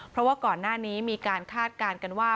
เพราะว่าก่อนหน้านี้มีการคาดการณ์กันว่า